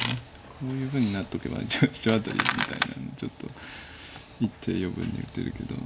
こういうふうになっとけば一応シチョウアタリみたいなのもちょっと１手余分に打てるけど。